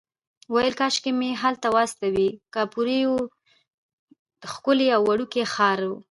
ویل کاشکې مې هلته واستوي، کاپوریتو ښکلی او وړوکی ښار و.